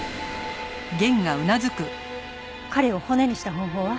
彼を骨にした方法は？